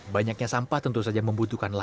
banyaknya sampah tentu saja membutuhkan